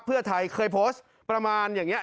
เพื่อไทยเคยโพสต์ประมาณอย่างนี้